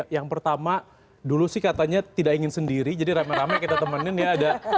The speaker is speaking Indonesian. yang pertama dulu sih katanya tidak ingin sendiri jadi rame rame kita temenin ya